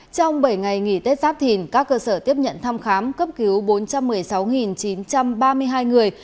trong bảy ngày nghỉ tết giáp thìn các cơ sở tiếp nhận thăm khám cấp cứu bốn trăm một mươi sáu chín trăm ba mươi hai người